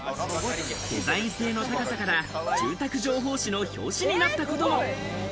デザイン性の高さから、住宅情報誌の表紙になったことも。